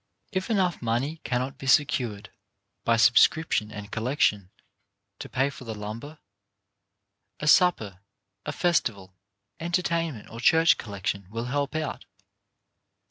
If enough money cannot be secured by sub scription and collection to pay for the lumber, a supper, a festival, entertainment or church col lection will help out.